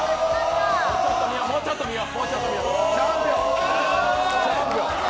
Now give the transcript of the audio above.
もうちょっと見よう。